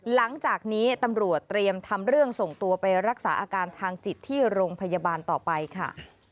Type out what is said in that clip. หลังจากนี้ตำรวจเตรียมทำเรื่องส่งตัวไปรักษาอาการทางจิตที่โรงพยาบาลต่อไปค่ะ